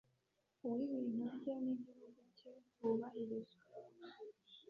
uw’ibintu bye n’igihugu cye wubahirizwe